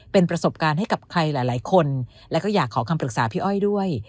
เป็นประสบการณ์ให้กับใครหลายคนและก็อยากขอคำปรึกษาพี่อ้อยด้วย